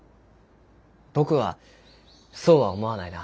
僕はそうは思わないな。